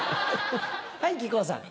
はい木久扇さん。